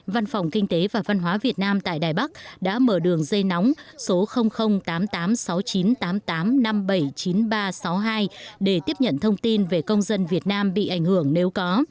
văn phòng kinh tế và văn hóa việt nam tại đài bắc đã mở đường dây nóng số tám tám sáu chín tám tám năm bảy chín ba sáu hai để tiếp nhận thông tin về công dân việt nam bị ảnh hưởng nếu có